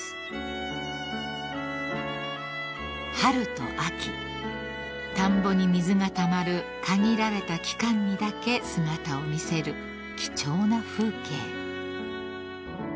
［春と秋田んぼに水がたまる限られた期間にだけ姿を見せる貴重な風景］